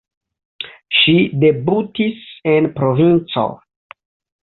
Ŝi debutis en provinco.